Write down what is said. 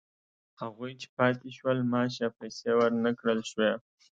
هغوی چې پاتې شول معاش یا پیسې ورنه کړل شوې